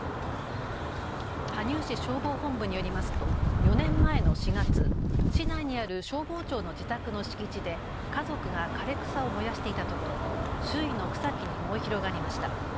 羽生市消防本部によりますと４年前の４月、市内にある消防長の自宅の敷地で家族が枯れ草を燃やしていたところ周囲の草木に燃え広がりました。